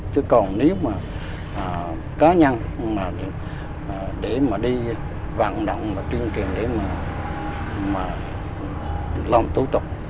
chứ còn nếu mà cá nhân để mà đi vạn động và chuyên truyền để mà làm thủ tục